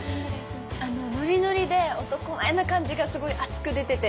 ノリノリで男前な感じがすごい熱く出ててかっこよかったです。